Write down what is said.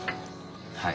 はい。